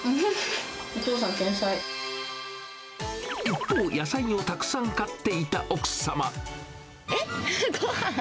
一方、野菜をたくさん買ってえっ？